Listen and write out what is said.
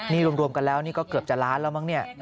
นี่รวมกันแล้วนี่ก็เกือบจะล้านแล้วมั้งเนี่ย